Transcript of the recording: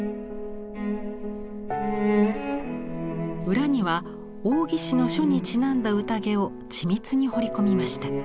裏には王羲之の書にちなんだ宴を緻密に彫り込みました。